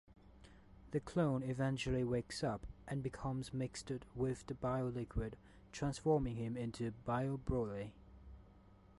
The clone eventually wakes up and becomes mixed with bio-liquid, transforming him into Bio-Broly.